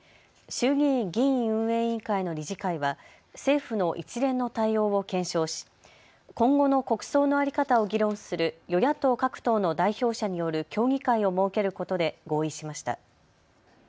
衆議院議院運営委員会の理事会は政府の一連の対応を検証し今後の国葬の在り方を議論する与野党各党の代表者による協議会を設けることで合意しました。